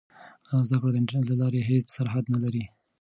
زده کړه د انټرنیټ له لارې هېڅ سرحد نه لري.